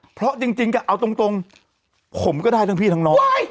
เพราะจริงเอาตรงผมก็ได้ทั้งพี่ทั้งน้อง